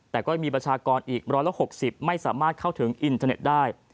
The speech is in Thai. แต่ก็ยังมีประชากรอีก๑๖๐ไม่สามารถเข้าถึงอินเทอร์เน็ตได้